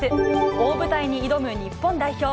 大舞台に挑む日本代表。